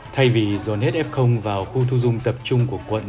thay vì dồn hết f vào khu thu dung tập trung của quận